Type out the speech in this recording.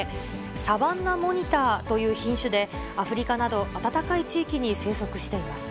サバンナモニターという品種で、アフリカなど、暖かい地域に生息しています。